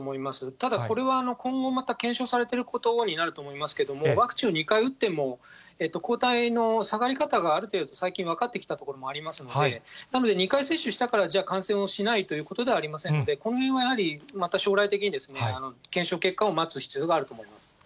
ただこれは今後また検証されていくことになると思いますが、ワクチンを２回打っても、抗体の下がり方がある程度、最近分かってきたところもありますので、なので、２回接種したから、じゃあ感染をしないということではありませんので、このへんはやはり、また将来的に検証結果を待つ必要があると思います。